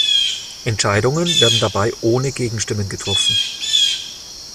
Entscheidungen werden dabei ohne Gegenstimme getroffen.